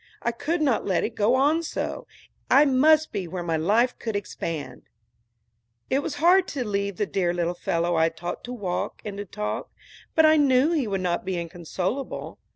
I could not let it go on so. I must be where my life could expand. It was hard to leave the dear little fellow I had taught to walk and to talk, but I knew he would not be inconsolable.